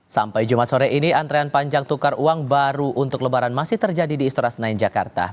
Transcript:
sampai jumat sore ini antrean panjang tukar uang baru untuk lebaran masih terjadi di istora senayan jakarta